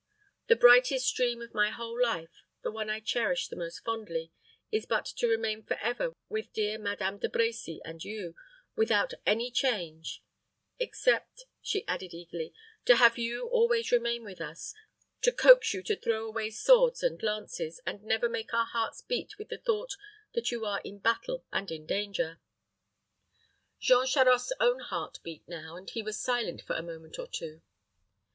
The brightest dream of my whole life, the one I cherish the most fondly, is but to remain forever with dear Madame De Brecy and you, without any change except," she added, eagerly, "to have you always remain with us to coax you to throw away swords and lances, and never make our hearts beat with the thought that you are in battle and in danger." Jean Charost's own heart beat now; and he was silent for a moment or two.